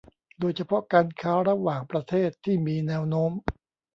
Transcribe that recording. โดยเฉพาะการค้าระหว่างประเทศที่มีแนวโน้ม